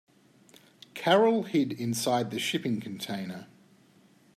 Carol hid inside the shipping container.